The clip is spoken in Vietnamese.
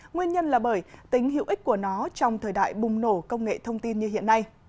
nguyên nhân là bởi tính hữu ích của nó trong thời đại bùng nổ công nghệ thông tin như hiện nay